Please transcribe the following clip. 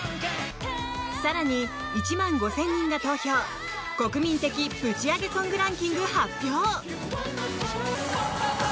更に、１万５０００人が投票国民的ぶちアゲソングランキング発表！